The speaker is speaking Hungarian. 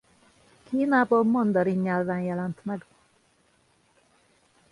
Kínában mandarin nyelven jelent meg.